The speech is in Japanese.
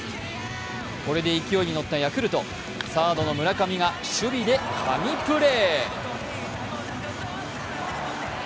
これで勢いに乗ったヤクルト、サードの村上が守備で神プレー。